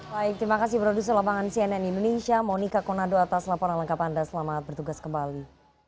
baik terima kasih produser lapangan cnn indonesia monika konado atas laporan lengkap anda selamat bertugas kembali